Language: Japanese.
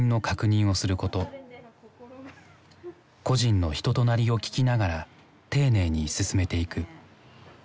故人の人となりを聞きながら丁寧に進めていく。